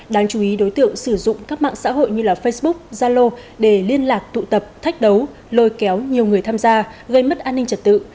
đáng chú ý đối tượng sử dụng các mạng xã hội như facebook zalo để liên lạc tụ tập thách đấu lôi kéo nhiều người tham gia gây mất an ninh trật tự